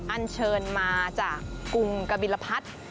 อันเชิญมาจากกรุงกบิลพัฒน์